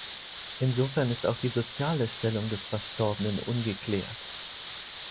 Insofern ist auch die soziale Stellung des Verstorbenen ungeklärt.